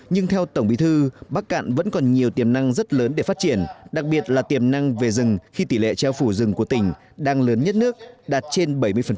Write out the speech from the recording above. nhưng theo tổng bí thư bắc cạn vẫn còn nhiều tiềm năng rất lớn để phát triển đặc biệt là tiềm năng về rừng khi tỷ lệ che phủ rừng của tỉnh đang lớn nhất nước đạt trên bảy mươi